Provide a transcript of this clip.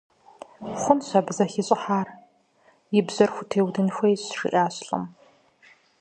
Хъунщ абы зэхищӀыхьар, и бжьэр хутеудын хуейщ, – жиӀащ лӏым.